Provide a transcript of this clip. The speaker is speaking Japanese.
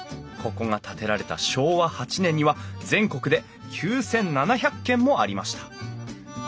ここが建てられた昭和８年には全国で９，７００軒もありました。